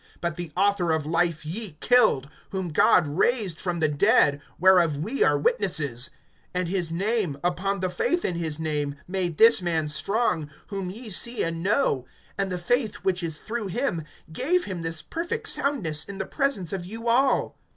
(15)But the Author of life ye killed; whom God raised from the dead, whereof we are witnesses[3:15]. (16)And his name, upon the faith in his name, made this man strong, whom ye see and know; and the faith, which is through Him, gave him this perfect soundness in the presence of you all.